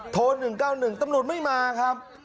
๑๙๑ตำรวจไม่มาครับ